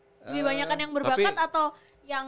lebih banyakan yang berbakat atau yang